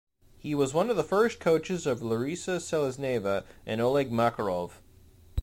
He was one of the first coaches for Larisa Selezneva and Oleg Makarov.